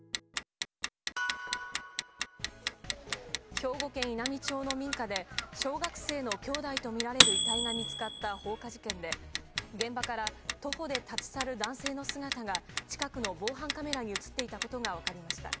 兵庫県稲美町の民家で小学生の兄弟とみられる遺体が見つかった放火事件で、現場から徒歩で立ち去る男性の姿が近くの防犯カメラに映っていたことが分かりました。